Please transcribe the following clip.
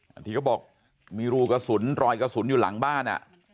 ที่เขาบอกมีรูกระสุนรอยกระสุนอยู่หลังบ้าน